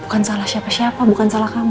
bukan salah siapa siapa bukan salah kamu